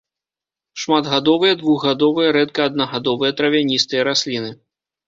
Шматгадовыя, двухгадовыя, рэдка аднагадовыя травяністыя расліны.